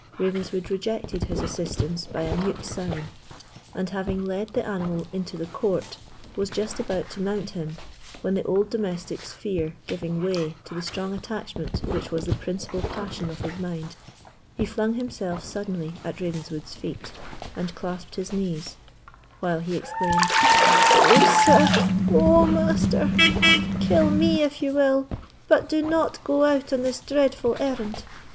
Ravenswood rejected his assistance by a mute sign, and having led the animal into the court, was just about to mount him, when the old domestic's fear giving way to the strong attachment which was the principal passion of his mind, he flung himself suddenly at Ravenswood's feet, and clasped his knees, while he exclaimed: "Oh, sir! oh, master! kill me if you will, but do not go out on this dreadful errand!